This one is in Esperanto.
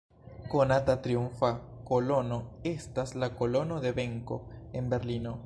Konata triumfa kolono estas la "kolono de venko" en Berlino.